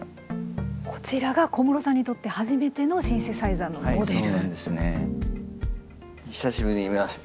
こちらが小室さんにとって初めてのシンセサイザーのモデル。